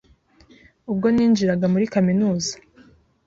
Ubwo ninjiraga muri Kaminuza